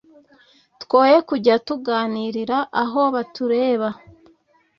twoye kujya tuganirira aho batureba